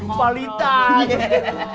lupa liat aja